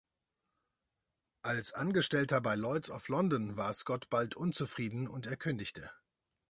Als Angestellter bei Lloyd’s of London war Scott bald unzufrieden und er kündigte.